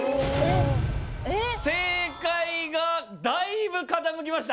正解がだいぶ傾きました。